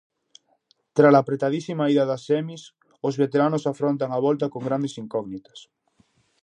Trala apertadísima ida das semis, os veteranos afrontan a volta con grandes incógnitas.